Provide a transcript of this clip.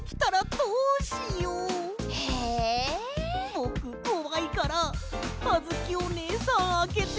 ぼくこわいからあづきおねえさんあけて。